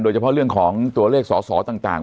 โดยเฉพาะเรื่องของตัวเลขสอสอต่าง